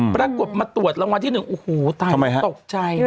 ปรากฏมาตรวจรางวัลที่หนึ่งโอ้โหตายทำไมฮะตกใจ